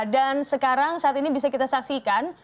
dan sekarang saat ini bisa kita saksikan